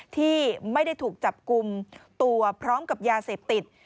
ที่ไม่ได้ถูกจับกลุ่มตัวพร้อมกับยาเสพติด